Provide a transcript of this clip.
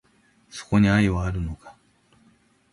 そこに愛はあるのか